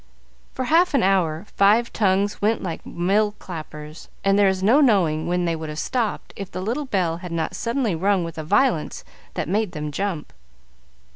For half an hour, five tongues went like mill clappers, and there is no knowing when they would have stopped if the little bell had not suddenly rung with a violence that made them jump.